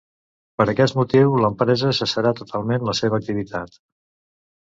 Per aquest motiu l'empresa cessarà totalment la seva activitat.